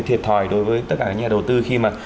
thiệt thòi đối với tất cả các nhà đầu tư khi mà